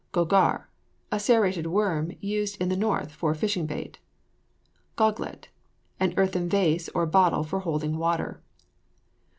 GOGAR. A serrated worm used in the north for fishing bait. GOGLET. An earthen vase or bottle for holding water.